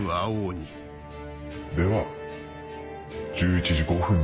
では１１時５分に。